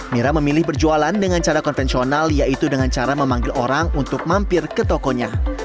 mira memilih berjualan dengan cara konvensional yaitu dengan cara memanggil orang untuk mampir ke tokonya